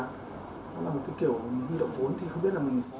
nó là một cái kiểu huy động vốn thì không biết là mình